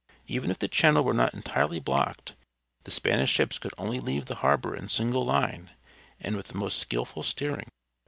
Even if the channel were not entirely blocked the Spanish ships could only leave the harbor in single line and with the most skilful steering.